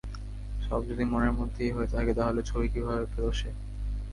সব যদি মনের মধ্যেই হয়ে থাকে, তাহলে ছবি কীভাবে পেলো সে?